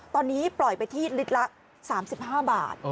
ตอนนี้ปล่อยไปที่ลิตรละ๓๕บาท